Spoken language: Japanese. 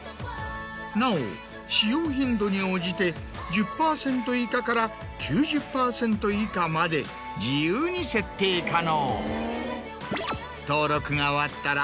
なお使用頻度に応じて１０％以下から９０％以下まで自由に設定可能。